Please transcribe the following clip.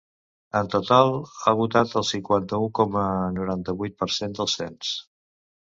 En total, ha votat el cinquanta-u coma noranta-vuit per cent del cens.